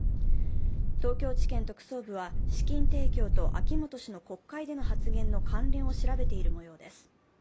東京地検特捜部は資金提供と秋本氏の国会での発言の関連を調べているもようです。